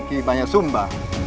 ki banyak sumba